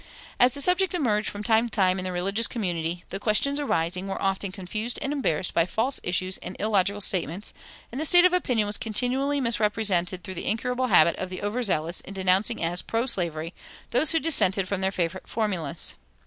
As the subject emerged from time to time in the religious community, the questions arising were often confused and embarrassed by false issues and illogical statements, and the state of opinion was continually misrepresented through the incurable habit of the over zealous in denouncing as "pro slavery" those who dissented from their favorite formulas.